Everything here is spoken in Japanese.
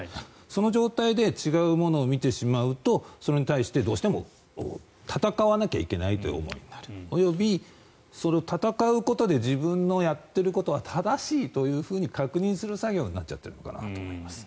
その状態で違うものを見てしまうとそれに対して、どうしても戦わなきゃいけないという思いになる及びそれと戦うことで自分のやっていることは正しいというふうに確認する作業になっちゃってるのかなと思います。